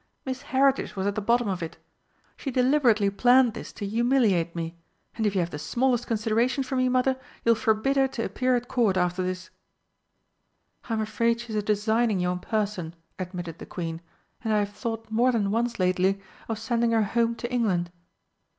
Miss Heritage was at the bottom of it. She deliberately planned this to humiliate me! And if you have the smallest consideration for me, Mother, you will forbid her to appear at Court after this." "I'm afraid she is a designing young person," admitted the Queen, "and I have thought more than once lately of sending her home to England."